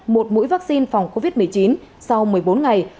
một mũi vaccine phòng covid một mươi chín sau một mươi bốn ngày